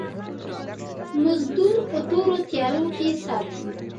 مزدور په تورو تيارو کې ساتي.